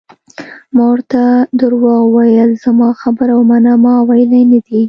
ما ورته درواغ وویل: زما خبره ومنه، ما ویلي نه دي.